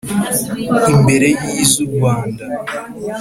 imbere y iz u Rwanda